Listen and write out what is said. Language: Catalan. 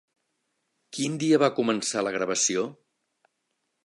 Quin dia va començar la gravació?